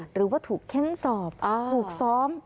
หรือว่าถูกเค้นสอบถูกซ้อม